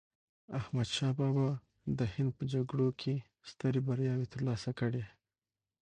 احمد شاه بابا د هند په جګړو کې یې سترې بریاوې ترلاسه کړې.